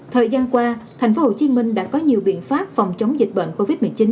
thời gian qua thành phố hồ chí minh đã có nhiều biện pháp phòng chống dịch bệnh covid một mươi chín